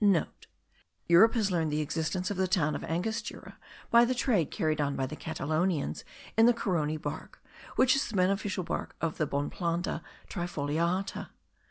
(* Europe has learnt the existence of the town of Angostura by the trade carried on by the Catalonians in the Carony bark, which is the beneficial bark of the Bonplanda trifoliata.